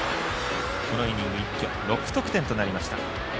このイニング一挙６得点となりました。